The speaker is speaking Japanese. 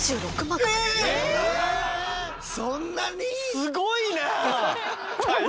すごいな！